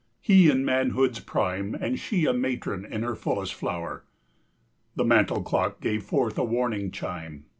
He in manhood's prime And she a matron in her fullest flower. The mantel clock gave forth a warning chime.